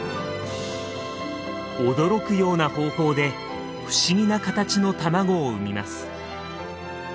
驚くような方法で不思議な形の卵を産みます。